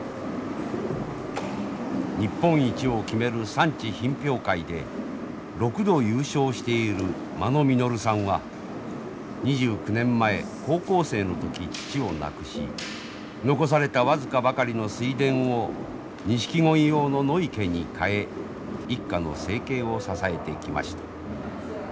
日本一を決める産地品評会で６度優勝している間野実さんは２９年前高校生の時父を亡くし残された僅かばかりの水田をニシキゴイ用の野池に変え一家の生計を支えてきました。